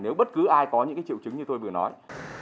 nếu bất cứ ai có những triệu chứng như tôi vừa nói